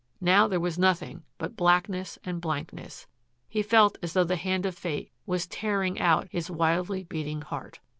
Now there was nothing but blackness and blankness. He felt as though the hand of fate was tearing out his wildly beating heart.